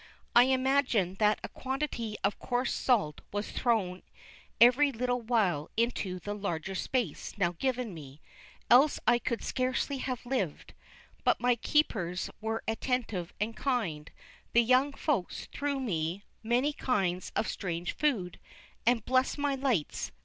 I imagine that a quantity of coarse salt was thrown every little while into the larger space now given me, else I could scarcely have lived. But my keepers were attentive and kind, the young Folks threw me many kinds of strange food, and "Bless my lights!"